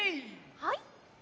はい！